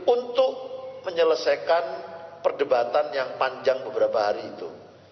untuk menyelesaikan perdebatan yang panjang beberapa hari itu